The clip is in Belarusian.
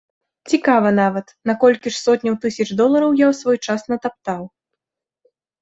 Цікава нават, на колькі ж сотняў тысяч долараў я ў свой час натаптаў?